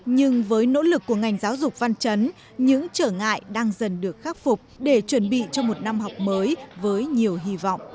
nhưng với nỗ lực của ngành giáo dục văn chấn những trở ngại đang dần được khắc phục để chuẩn bị cho một năm học mới với nhiều hy vọng